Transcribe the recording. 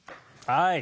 はい。